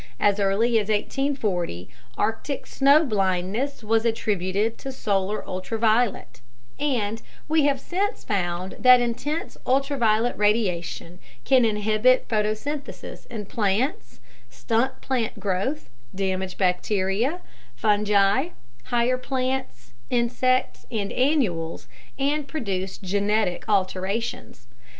As early as 1840, arctic snow blindness was attributed to solar ultraviolet; and we have since found that intense ultraviolet radiation can inhibit photosynthesis in plants, stunt plant growth, damage bacteria, fungi, higher plants, insects and annuals, and produce genetic alterations.